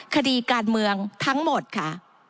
คดีการเมืองทั้งหมดค่ะ